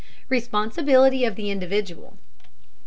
RESPONSIBILITY OF THE INDIVIDUAL.